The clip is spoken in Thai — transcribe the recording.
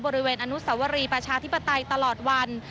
บริเวณอนุสวรีประชาธิปไตยตลอดวัน